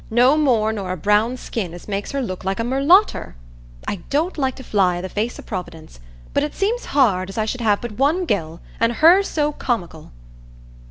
no more nor a brown skin as makes her look like a mulatter. I don't like to fly i' the face o' Providence, but it seems hard as I should have but one gell, an' her so comical."